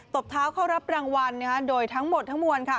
บเท้าเข้ารับรางวัลโดยทั้งหมดทั้งมวลค่ะ